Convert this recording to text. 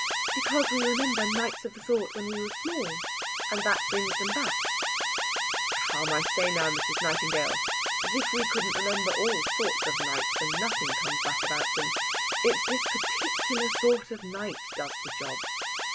"Because we remember nights of the sort when we were small, and that brings them back." "Come, I say now, Mrs. Nightingale! As if we couldn't remember all sorts of nights, and nothing comes back about them. It's this particular sort of night does the job."